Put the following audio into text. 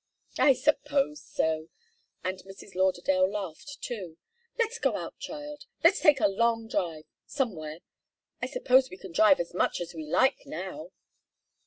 "I suppose so." And Mrs. Lauderdale laughed, too. "Let's go out, child. Let's take a long drive somewhere. I suppose we can drive as much as we like now."